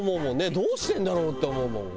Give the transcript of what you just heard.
どうしてんだろうって思うもん。